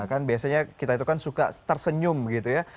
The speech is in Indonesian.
kan biasanya kita itu kan suka tersenyum gitu ya